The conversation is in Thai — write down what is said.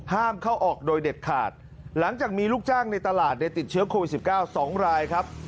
ห้ามเข้าออกโดยเด็ดขาดหลังจากมีลูกจ้างในตลาดเนี่ยติดเชื้อโควิด๑๙๒รายครับ